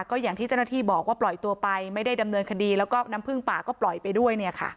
ก็อย่างที่เจ้าหน้าที่บอกว่าปล่อยตัวไปไม่ได้ดำเนินคดีแล้วก็น้ำผึ้งป่าก็ปล่อยไปด้วย